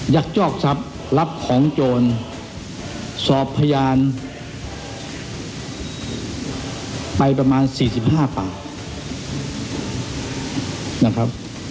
ักยอกทรัพย์รับของโจรสอบพยานไปประมาณ๔๕ปากนะครับ